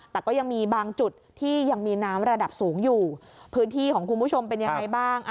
แต่ก็ยังมีบางจุดที่ยังมีน้ำระดับสูงอยู่พื้นที่ของคุณผู้ชมเป็นยังไงบ้าง